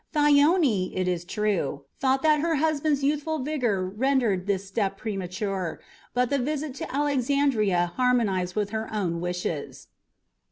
Thyone, it is true, thought that her husband's youthful vigour rendered this step premature, but the visit to Alexandria harmonized with her own wishes.